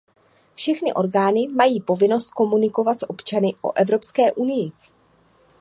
Všechny orgány mají povinnost komunikovat s občany o Evropské unii.